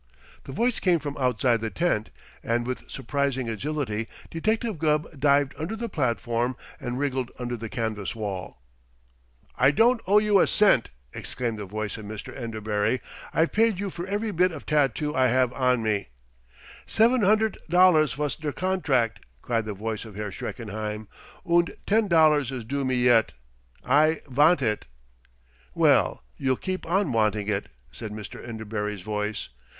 The voice came from outside the tent, and with surprising agility Detective Gubb dived under the platform and wriggled under the canvas wall. "I don't owe you a cent!" exclaimed the voice of Mr. Enderbury. "I've paid you for every bit of tattoo I have on me." "Seven hunderdt dollars vos der contract," cried the voice of Herr Schreckenheim. "Und ten dollars is due me yet. I vant it." "Well, you'll keep on wanting it," said Mr. Enderbury's voice.